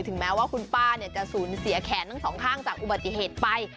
แม้ว่าคุณป้าจะสูญเสียแขนทั้งสองข้างจากอุบัติเหตุไป